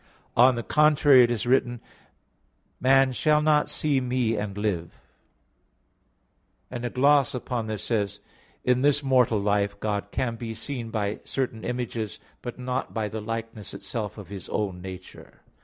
On the contrary, It is written, "Man shall not see Me, and live" (Ex. 32:20), and a gloss upon this says, "In this mortal life God can be seen by certain images, but not by the likeness itself of His own nature."